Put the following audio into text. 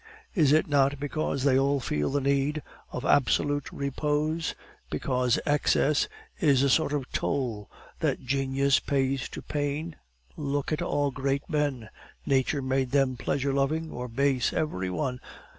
Is it not because they all feel the need of absolute repose? Because Excess is a sort of toll that genius pays to pain? "Look at all great men; nature made them pleasure loving or base, every one.